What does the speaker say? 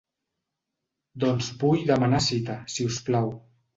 Doncs vull demanar cita si us plau.